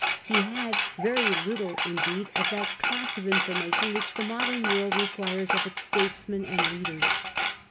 He had very little indeed of that class of information which the modern world requires of its statesmen and leaders.